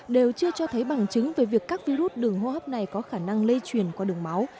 đều chưa cho thấy bằng chứng về việc các virus đường hô hấp này có khả năng lây truyền qua đường máu